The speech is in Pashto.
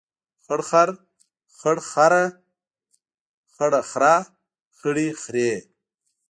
خړ خر، خړ خره، خړه خره، خړې خرې.